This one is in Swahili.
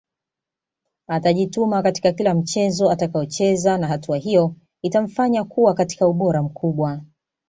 Atajituma katika kila mchezo atakaocheza na hatua hiyo itamfanya kuwa katika ubora mkubwa